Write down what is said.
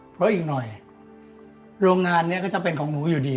เพราะอีกหน่อยโรงงานนี้ก็จะเป็นของหนูอยู่ดี